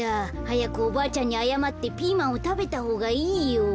はやくおばあちゃんにあやまってピーマンをたべたほうがいいよ。